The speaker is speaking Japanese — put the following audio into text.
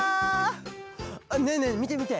ねえねえみてみて！